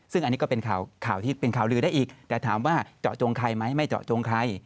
ซึ่งอันนี้ก็เป็นข่าวที่เป็นข่าวลือได้อีกแต่ถามว่าเจาะจงใครไหมไม่เจาะจงใคร